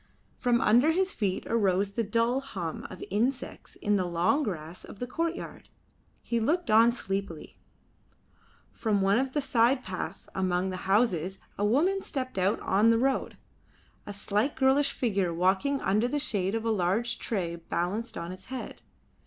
From under his feet arose the dull hum of insects in the long grass of the courtyard. He looked on sleepily. From one of the side paths amongst the houses a woman stepped out on the road, a slight girlish figure walking under the shade of a large tray balanced on its head.